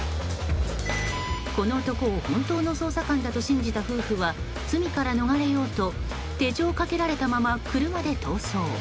この男を本当の捜査官だと信じた夫婦は罪から逃れようと手錠をかけられたまま車で逃走。